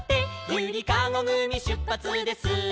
「ゆりかごぐみしゅっぱつです」